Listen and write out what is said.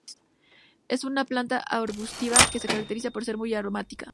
Es una planta arbustiva, que se caracteriza por ser muy aromática.